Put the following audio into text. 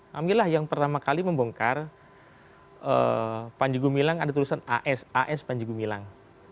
kamilah yang pertama kali membongkar panjago milang ada tulisan as as panjago milang